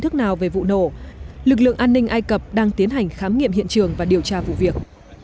thức nào về vụ nổ lực lượng an ninh ai cập đang tiến hành khám nghiệm hiện trường và điều tra vụ việc